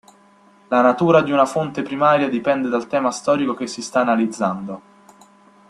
La natura di una fonte primaria dipende dal tema storico che si sta analizzando.